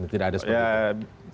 tidak ada seperti itu